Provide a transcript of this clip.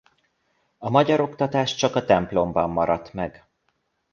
A magyar oktatás csak a templomban maradt meg.